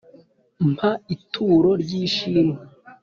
mpa ituro ry’ishimwe